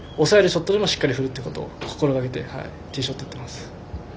ショットでもしっかり振るっていうのを意識してティーショット打ってます。